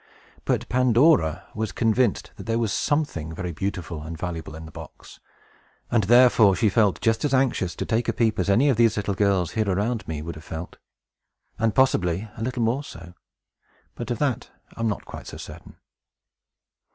But Pandora was convinced that there was something very beautiful and valuable in the box; and therefore she felt just as anxious to take a peep as any of these little girls, here around me, would have felt. And, possibly, a little more so; but of that I am not quite so certain.